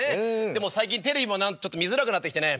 でも最近テレビも見づらくなってきてね。